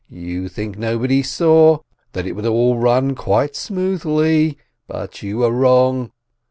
You think nobody saw, that it would all run quite smoothly, but you are wrong!